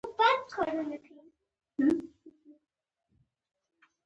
هغه وخت د اردن جغرافیه د شام برخه وه.